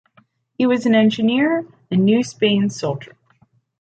He was an engineer and New Spain soldier.